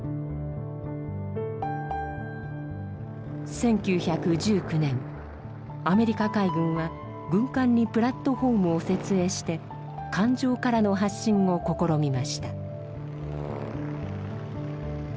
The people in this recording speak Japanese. １９１９年アメリカ海軍は軍艦にプラットホームを設営して艦上からの発進を試みました。